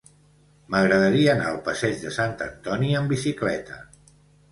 M'agradaria anar al passeig de Sant Antoni amb bicicleta.